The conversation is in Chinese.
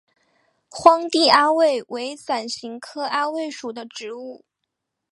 荒地阿魏为伞形科阿魏属的植物。